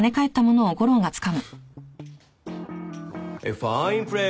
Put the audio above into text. ファインプレー。